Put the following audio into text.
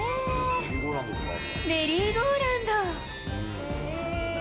メリーゴーランド。